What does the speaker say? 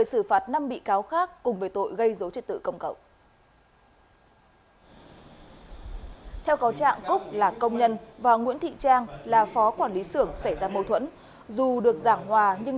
xin chào các bạn